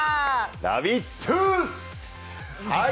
ラビットゥース！